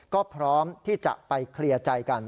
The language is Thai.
ก็พร้อมที่จะไปเคลียร์ใจกัน